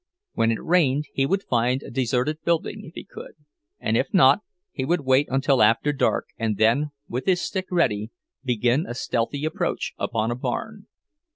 When it rained he would find a deserted building, if he could, and if not, he would wait until after dark and then, with his stick ready, begin a stealthy approach upon a barn.